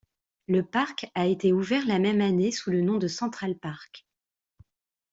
Le parc a été ouvert la même année sous le nom de Central Park.